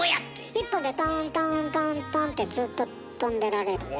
１本でトントントントンってずっと跳んでられる。